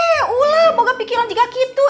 eh ulah moga pikiran juga gitu